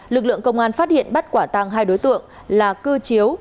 lực lượng công an phát hiện bắt quả tăng hai đối tượng là cư chiếu